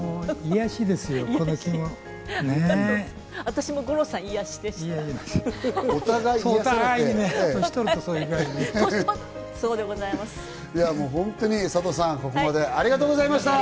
私も五郎さん、癒やしでした。